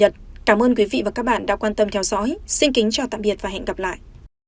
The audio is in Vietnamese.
cảm ơn quý vị và các bạn đã quan tâm theo dõi xin kính chào tạm biệt và hẹn gặp lại